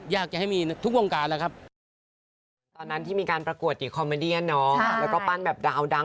อยากจะให้มีทุกวงการแล้วครับ